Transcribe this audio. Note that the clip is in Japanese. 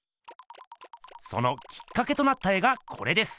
そのきっかけとなった絵がこれです。